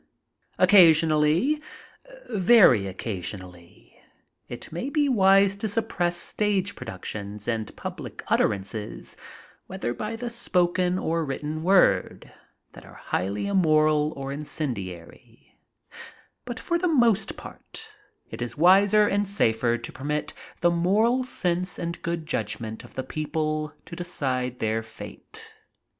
Occasionally — ^very occasionally — it may be wise to suppress stage productions and public utterances, whether by the spoken or %vritten word, that are highly immoral or incendiary, but for the most part it is wiser and safer to permit the moral sense and good judgment of the people to decide their fate.